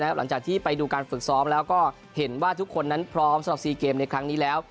หลังจากที่ไปดูการฝึกซ้อมแล้วก็เห็นว่าทุกคนนั้นพร้อมสำหรับ๔เกมในครั้งนี้แล้ว